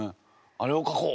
「あれを書こう！」。